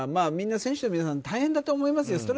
選手の皆さん大変だと思いますよ